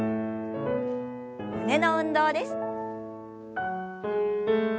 胸の運動です。